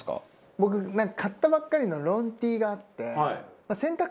僕買ったばっかりのロンＴがあって。